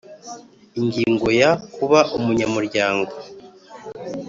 Ingingo ya kuba umunyamuryango